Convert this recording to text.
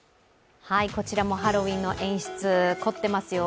こちらもハロウィーンの演出、凝ってますよ。